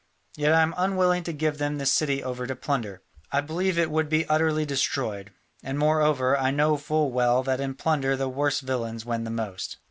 Yet I am unwilling to give them this city over to plunder. I believe it would be utterly destroyed, and moreover I know full well that in plunder the worst villains win the most."